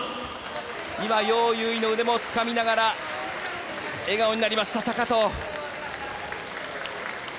今、ヨウ・ユウイの腕もつかみながら笑顔になりました、高藤。